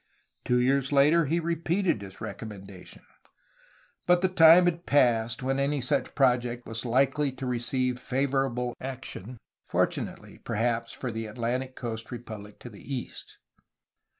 Two years later he repeated his recommendation. But the time had passed when any such project was likely to receive favorable action — fortunately, perhaps, for the Atlantic coast republic to the east.